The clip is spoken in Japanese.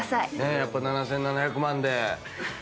やっぱ７，７００万で。